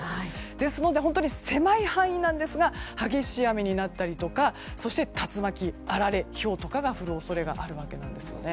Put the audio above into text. ですので、狭い範囲なんですが激しい雨になったりとかそして竜巻、あられ、ひょうとかが降る恐れがあるわけです。